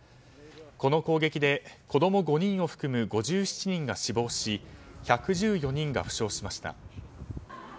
この攻撃で、子供５人を含む５７人が死亡し１１４人が負傷しました。